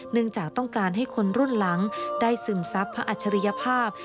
เนื่องจากต้องการให้คนรุ่นหลังได้ซึมทรัพย์พระอัชริยภาพ